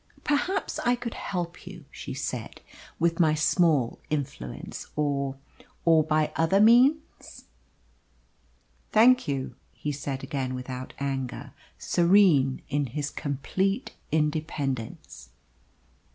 "Perhaps I could help you," she said, "with my small influence, or or by other means." "Thank you," he said again without anger, serene in his complete independence. Mrs.